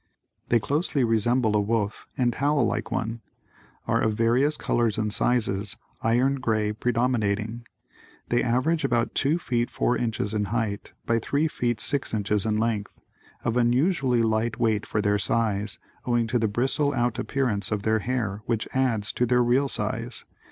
They closely resemble a wolf and howl like one. Are of various colors and sizes, iron grey predominating. They average about two feet four inches in height by three feet six inches in length, of unusually light weight for their size, owing to the bristle out appearance of their hair which adds to their real size.